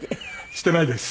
してないです。